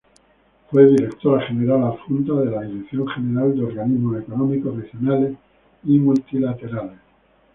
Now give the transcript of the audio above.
Fue Directora General Adjunta de la Dirección General de Organismos Económicos Regionales y Multilaterales.